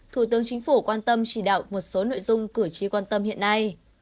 thủ tướng chính phủ quan tâm chỉ đạo một số nội dung cử tri quan tâm hiện nay